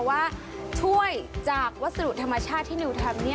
ว่าถ้วยจากวัสดุธรรมชาติที่นิวทำ